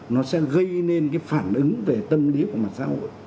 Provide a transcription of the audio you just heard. nó sẽ gây nên cái phản ứng về tâm lý của mặt xã hội